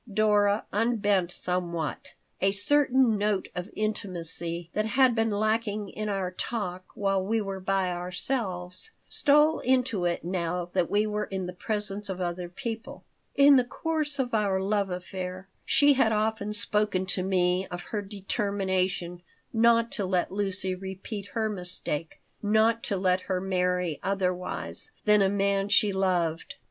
Dora unbent somewhat. A certain note of intimacy that had been lacking in our talk while we were by ourselves stole into it now that we were in the presence of other people In the course of our love affair she had often spoken to me of her determination not to let Lucy repeat her mistake, not to let her marry otherwise than a man she loved.